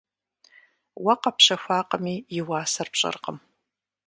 Уэ къэпщэхуакъыми, и уасэр пщӀэркъым.